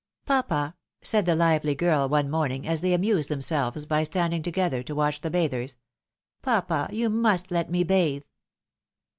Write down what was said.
" Papa," said the lively girl one morning, as they amused themselves by standing together to watch the bathers, " Papa, you must let me bathe